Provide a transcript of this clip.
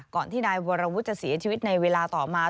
ก่อนที่นายวรวุฒิจะเสียชีวิตในเวลาต่อมา